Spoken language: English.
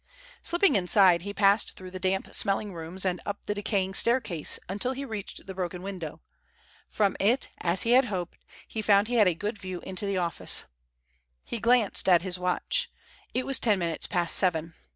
Slipping inside, he passed through the damp smelling rooms and up the decaying staircase until he reached the broken window. From it, as he had hoped, he found he had a good view into the office. He glanced at his watch. It was ten minutes past seven.